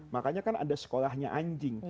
makanya kan ada sekolahnya anjing